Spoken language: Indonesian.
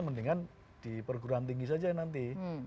mendingan di perguruan tinggi saja nanti